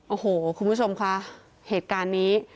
โอ้โหคุณผู้ชมค่ะเหตุการณ์นี้